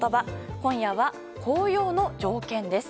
今夜は紅葉の条件です。